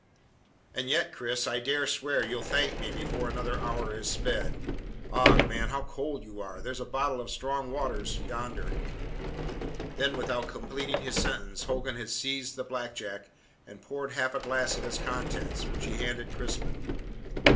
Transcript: "And yet, Cris, I dare swear you'll thank me before another hour is sped. Ough, man, how cold you are! There's a bottle of strong waters yonder " Then, without completing his sentence, Hogan had seized the black jack and poured half a glass of its contents, which he handed Crispin.